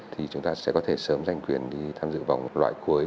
thì chúng ta sẽ có thể sớm giành quyền đi tham dự vòng loại cuối